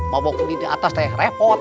mabok punggi di atas teh repot